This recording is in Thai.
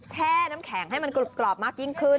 แช่น้ำแข็งให้มันกรุบมากยิ่งขึ้น